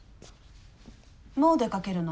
もう出かけるの？